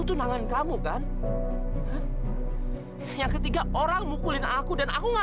jadi kamu barusan bisa aja dia yang kena